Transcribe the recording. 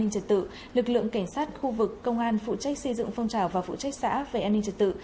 cảnh sát khu vực công an phụ trách xây dựng phong trào và phụ trách xã về an ninh trật tự